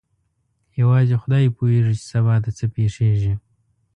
یوازې خدای پوهېږي چې سبا ته څه پېښیږي.